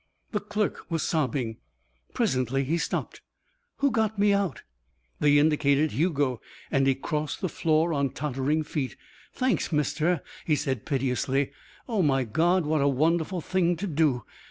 The clerk was sobbing. Presently he stopped. "Who got me out?" They indicated Hugo and he crossed the floor on tottering feet. "Thanks, mister," he said piteously. "Oh, my God, what a wonderful thing to do!